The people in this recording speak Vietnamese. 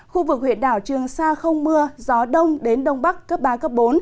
khu vực huyện đảo trường sa không mưa gió đông đến đông bắc cấp ba bốn